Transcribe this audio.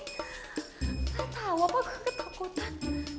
gak tau apa gue ketakutan